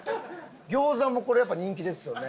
餃子もこれやっぱり人気ですよね。